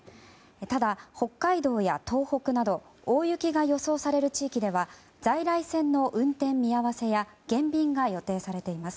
ただ、北海道や東北など大雪が予想される地域では在来線の運転見合わせや減便が予定されています。